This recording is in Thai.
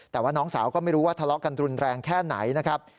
แต่ว่าน้องสาวก็ไม่รู้ว่าทะเลาะกันรุนแรงแค่ไหนนะครับ